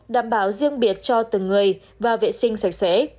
đảm bảo riêng biệt cho từng người và vệ sinh sạch sẽ